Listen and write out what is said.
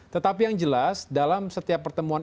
tetapi yang jelas dalam setiap pertemuan